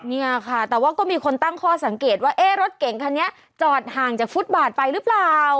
เนี่ยค่ะแต่ว่าก็มีคนตั้งข้อสังเกตว่าเอ๊ะรถเก่งคันนี้จอดห่างจากฟุตบาทไปหรือเปล่า